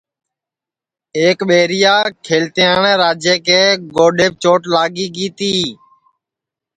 ایک ٻیریا کھلتیاٹؔے راجا کے گوڈؔیپ چوٹ لاگی گی تی